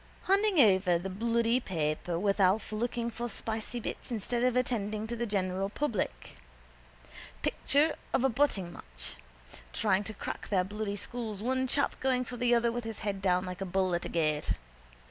Hanging over the bloody paper with Alf looking for spicy bits instead of attending to the general public. Picture of a butting match, trying to crack their bloody skulls, one chap going for the other with his head down like a bull at a gate.